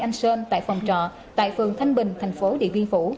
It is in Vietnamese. anh sơn tại phòng trọ tại phường thanh bình thành phố điện biên phủ